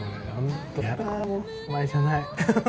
お前じゃない。